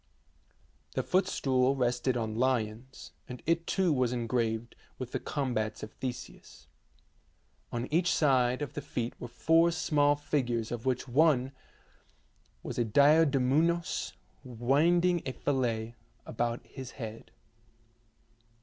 The foot stool rested on lions, and it too was engraved STATUE OF THE OLYMPIAN ZEUS 91 with the combats of Theseus. On each side of the feet were four small figures of which one was a diadumenos winding a fillet about his head.